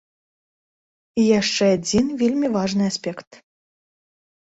І яшчэ адзін вельмі важны аспект.